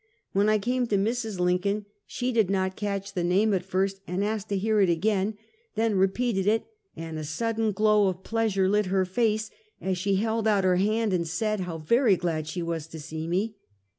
When I came to Mrs. Lin coln, she did not catch the name at first, and asked to hear it again, then repeated it, and a sudden glow of pleasure lit her face, as she held out her hand and said how very glad she was to see me.